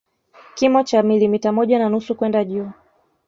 Kimo cha milimita moja na nusu kwenda juu